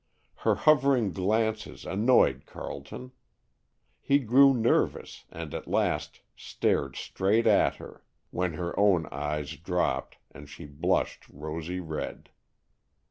Her hovering glances annoyed Carleton; he grew nervous and at last stared straight at her, when her own eyes dropped, and she blushed rosy red.